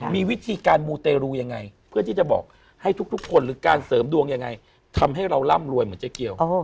มีวิธีการมูเตรูยังไงเพื่อที่จะบอกให้ทุกคนหรือการเสริมดวงยังไงทำให้เราร่ำรวยเหมือนเจ๊เกียว